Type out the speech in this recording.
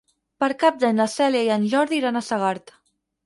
Per Cap d'Any na Cèlia i en Jordi iran a Segart.